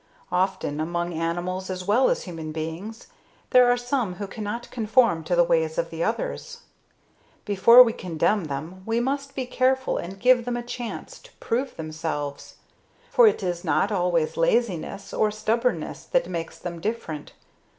Often among animals as well as human beings there are some who cannot conform to the ways of the others. Before we condemn them we must be careful and give them a chance to prove themselves. For it is not always laziness or stubbornness that makes them different.